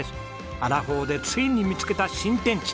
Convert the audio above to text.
アラフォーでついに見つけた新天地。